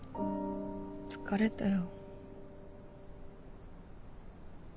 疲れたよ。